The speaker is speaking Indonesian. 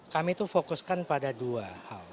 kami itu fokuskan pada dua hal